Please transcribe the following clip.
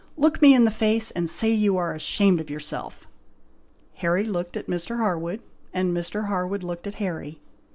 Look me in the face, and say you are ashamed of yourself!" Harry looked at Mr. Harwood and Mr. Harwood looked at Harry.